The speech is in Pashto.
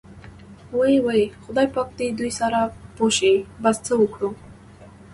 وۍ وۍ خدای پاک دې دوی سره پوه شي، بس څه وکړو.